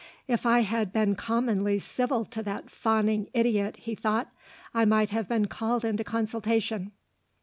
"If I had been commonly civil to that fawning idiot," he thought, "I might have been called into consultation."